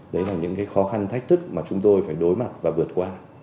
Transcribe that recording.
đấy là những khó khăn thách thức mà chúng tôi phải đối mặt và vượt qua